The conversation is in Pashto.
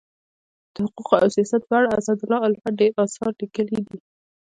د حقوقو او سیاست په اړه اسدالله الفت ډير اثار لیکلي دي.